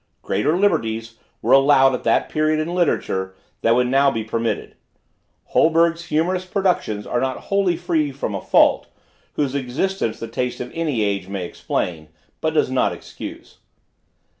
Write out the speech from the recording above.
Greater liberties were allowed at that period in literature than would now be permitted. Holberg's humorous productions are not wholly free from a fault, whose existence the taste of any age may explain, but does not excuse.